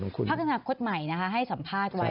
พระคุณภาพควดใหม่ให้สัมภาษณ์ไว้